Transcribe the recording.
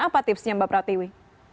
apa tipsnya mbak pratiwi